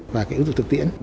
và cái ứng dụng thực tiễn